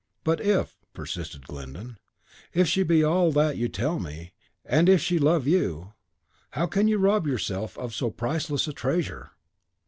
"But if," persisted Glyndon, "if she be all that you tell me, and if she love you, how can you rob yourself of so priceless a treasure?"